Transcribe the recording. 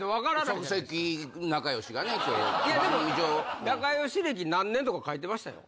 いやでも「仲良し歴何年」とか書いてましたよ。